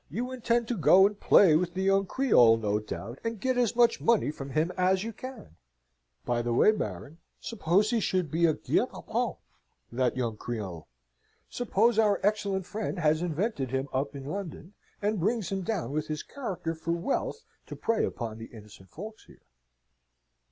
You intend to go and play with the young Creole, no doubt, and get as much money from him as you can. By the way, Baron, suppose he should be a guet apens, that young Creole? Suppose our excellent friend has invented him up in London, and brings him down with his character for wealth to prey upon the innocent folks here?"